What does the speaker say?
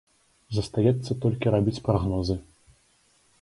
Застаецца толькі рабіць прагнозы.